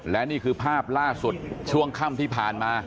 และนี่คือภาพล่าสุดช่วงค่ำที่ผ่านมา